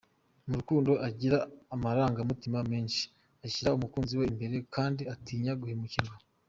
Mu rukundo agira amarangamutima menshi, ashyira umukunzi we imbere kandi atinya guhemukirwa.